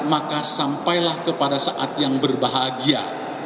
maka sampailah kepada saat yang berbahagia